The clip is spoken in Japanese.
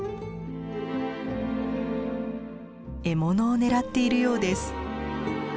獲物を狙っているようです。